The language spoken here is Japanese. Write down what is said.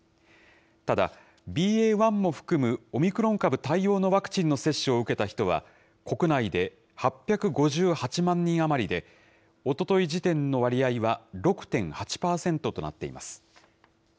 ただ、ＢＡ．１も含むオミクロン対応のワクチンの接種を受けた人は、国内で８５８万人余りで、おととい時点の割合は６．８％となっています。